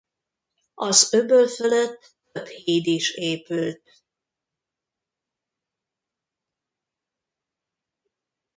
Az öböl fölött több híd is épült.